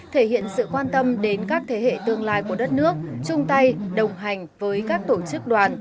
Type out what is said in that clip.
thể hiện sự quan tâm đến các thế hệ tương lai của đất nước chung tay đồng hành với các tổ chức đoàn